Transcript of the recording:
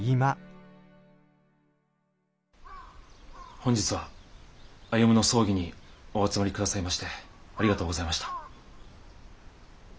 本日は歩の葬儀にお集まり下さいましてありがとうございました。